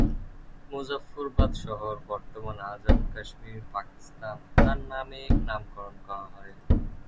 মুজাফফরাবাদ শহর, বর্তমান আজাদ কাশ্মীর, পাকিস্তান তার নামে নামকরণ করা হয়।